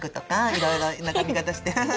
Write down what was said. いろいろな髪形してふふ。